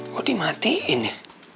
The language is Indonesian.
kok dimatiin ya